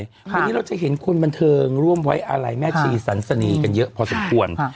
วันนี้เราจะเห็นคนบันเทิงร่วมไว้อาลัยแม่ชีสันสนีกันเยอะพอสมควร